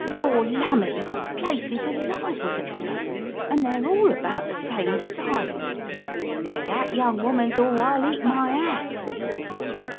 "Lor* lumme, the place is alive with them, sir, and they're all about the same size. They're that young woman's or I'll eat my 'at!"